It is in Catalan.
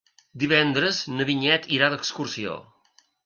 Divendres na Vinyet irà d'excursió.